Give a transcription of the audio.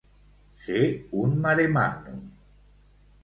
Ser un maremàgnum.